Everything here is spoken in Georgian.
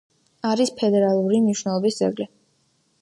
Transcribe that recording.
არის ფედერალური მნიშვნელობის ძეგლი.